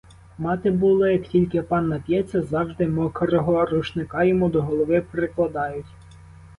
Мати було, як тільки пан нап'ється, завжди мокрого рушника йому до голови прикладають.